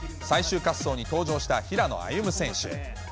最終滑走に登場した平野歩夢選手。